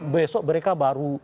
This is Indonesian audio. besok mereka baru